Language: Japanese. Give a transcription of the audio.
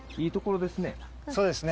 そうですね。